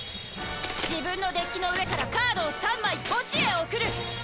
自分のデッキの上からカードを３枚墓地へ送る！